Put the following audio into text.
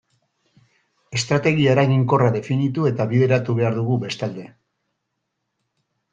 Estrategia eraginkorra definitu eta bideratu behar dugu bestalde.